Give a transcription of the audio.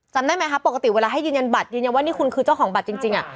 จำได้ไหมคะปกติเวลาให้ยืนยันบัตรยืนยันว่านี่คุณคือเจ้าของบัตรจริง